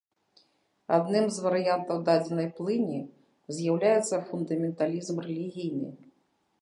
Адным з варыянтаў дадзенай плыні з'яўляецца фундаменталізм рэлігійны.